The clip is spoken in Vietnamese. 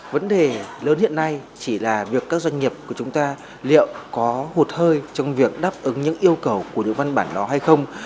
vấn đề lớn hiện nay chỉ là việc các doanh nghiệp của chúng ta liệu có hụt hơi trong việc đáp ứng những yêu cầu của những văn bản đó hay không